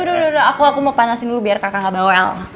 udah udah udah aku mau panasin dulu biar kakak nggak bawel